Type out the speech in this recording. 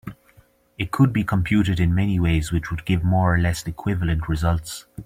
It could be computed in many ways which would give more or less equivalent results.